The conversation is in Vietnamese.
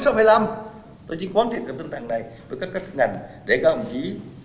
tôi chỉ quan thiện tầm tầm này với các các ngành để cao hồng chí